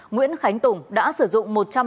nguyễn khánh tùng đã sử dụng một trăm năm mươi